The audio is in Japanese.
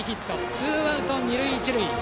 ツーアウト二塁一塁。